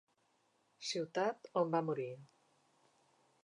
Ciutat on va morir.